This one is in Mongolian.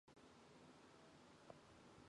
Далай ч атугай дуслаас бүтдэг юм.